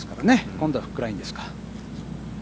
今度はフックラインですか。